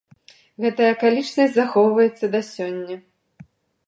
Гэтая акалічнасць захоўваецца да сёння.